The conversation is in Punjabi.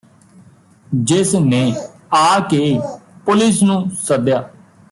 ਜਿਸ ਨੇ ਆ ਕੇ ਪੁਲਿਸ ਨੂੰ ਸੱਦਿਆ